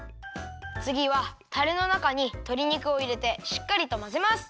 つぎはタレのなかにとり肉をいれてしっかりとまぜます。